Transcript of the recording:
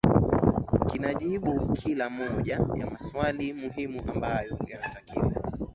kinajibu kila moja ya maswali muhimu ambayo yanatakiwa